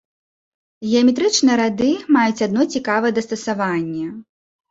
Геаметрычныя рады маюць адно цікавае дастасаванне.